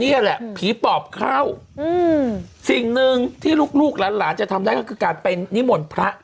นี่แหละผีปอบเข้าอืมสิ่งหนึ่งที่ลูกลูกหลานจะทำได้ก็คือการไปนิมนต์พระ